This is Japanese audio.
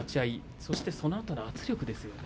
そしてそのあとの圧力ですね。